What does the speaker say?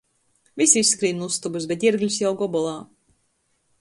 Vysi izskrīn nu ustobys, bet Ierglis jau gobolā.